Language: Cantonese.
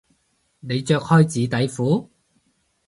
你着開紙底褲？